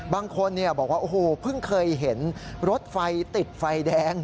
บางคนบอกว่าโอ้โหเพิ่งเคยเห็นรถไฟติดไฟแดง